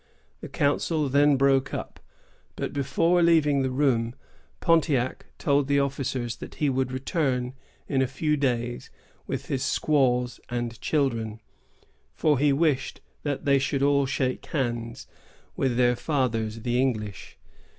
The council then broke up; but, before leaving the room, Pontiac told the officers that he would return in a few days, with his squaws and children, for he wished that they should all shake hands with their fathers the English.